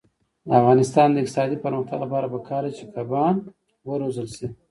د افغانستان د اقتصادي پرمختګ لپاره پکار ده چې کبان وروزلت شي.